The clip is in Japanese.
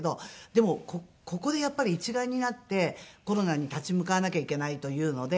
でもここでやっぱり一丸になってコロナに立ち向かわなきゃいけないというので。